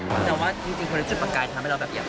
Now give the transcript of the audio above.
แต่ว่าจริงคนรู้สึกประกายทำให้เราแบบอยาก